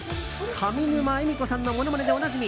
上沼恵美子さんのものまねでおなじみ